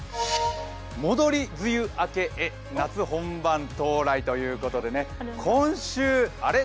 戻り梅雨開けへ、夏本番到来ということで今週、あれ？